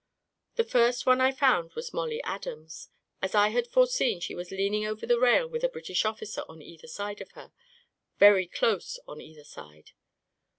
The first one I found was Mollie Adams. As I had foreseen, she was leaning over the rail with a British officer on either side of her. Very close on either side.